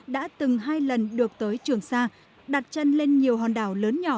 đã từng hai lần được tới trường sa đặt chân lên nhiều hòn đảo lớn nhỏ